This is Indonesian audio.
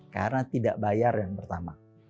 karena tidak bayar yang pertama